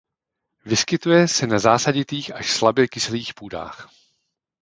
Vyskytuje se na zásaditých až slabě kyselých půdách.